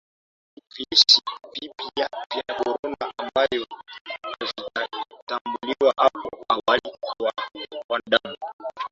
Hivi ni virusi vipya vya korona ambavyo havijatambuliwa hapo awali kwa wanadamu